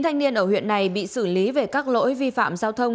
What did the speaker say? năm thanh niên ở huyện này bị xử lý về các lỗi vi phạm giao thông